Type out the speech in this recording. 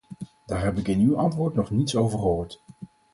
Daar heb ik in uw antwoord nog niets over gehoord.